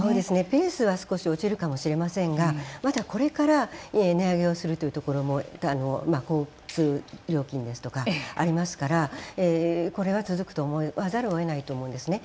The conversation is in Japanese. ペースは少し落ちるかもしれませんがまだこれから値上げをするというところも交通料金ですとかありますからこれは続くと思わざるをえないと思うんですね。